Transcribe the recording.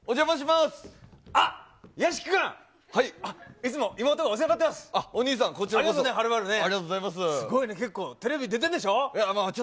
すごいね、結構テレビ出てんでしょ。